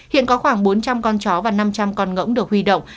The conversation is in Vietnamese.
hiện có khoảng bốn trăm linh con chó và năm trăm linh con ngỗng được huy động